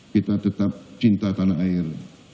kita tetap cinta tanah air